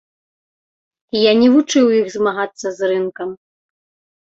Я не вучыў іх змагацца з рынкам.